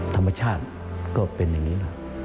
ธรรมชาติก็เป็นอย่างนี้แหละ